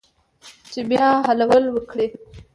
چې بیا حلول وکړي